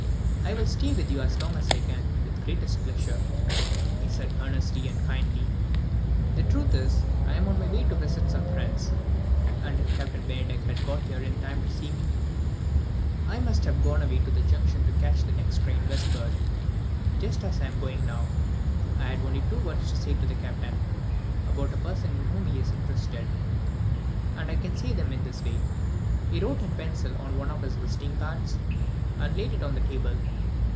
"I will stay with you as long as I can, with the greatest pleasure," he said earnestly and kindly. "The truth is, I am on my way to visit some friends; and if Captain Bennydeck had got here in time to see me, I must have gone away to the junction to catch the next train westward, just as I am going now. I had only two words to say to the Captain about a person in whom he is interested and I can say them in this way." He wrote in pencil on one of his visiting cards, and laid it on the table.